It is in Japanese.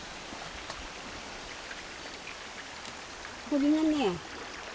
これがね